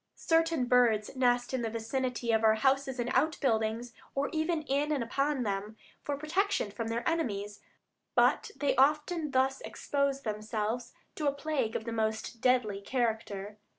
Certain birds nest in the vicinity of our houses and outbuildings, or even in and upon them, for protection from their enemies, but they often thus expose themselves to a plague of the most deadly character.